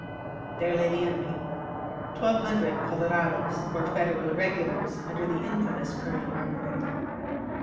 There lay the enemy; twelve hundred colorados, or Federal irregulars, under the infamous Colonel Argumendo.